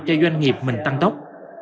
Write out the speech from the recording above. cho doanh nghiệp mình tăng tốc